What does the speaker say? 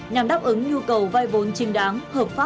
nhằm đáp ứng nhu cầu vay vốn trinh đáng hợp pháp của người dân